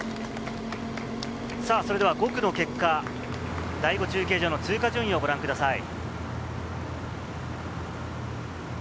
それでは５区の結果、第５中継所の通過順位をご覧ください。